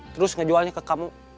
terus ngejualnya ke kamu